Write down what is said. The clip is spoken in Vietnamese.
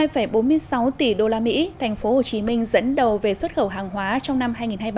với kinh ngạc bốn mươi sáu tỷ đô la mỹ thành phố hồ chí minh dẫn đầu về xuất khẩu hàng hóa trong năm hai nghìn hai mươi ba